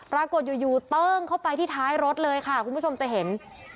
ปรากฏอยู่เติ้งเข้าไปที่ท้ายรถเลยค่ะคุณผู้ชมจะเห็น